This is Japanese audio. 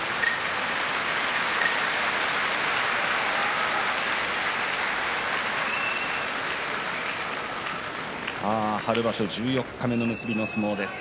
拍手さあ春場所十四日目の結びの相撲です。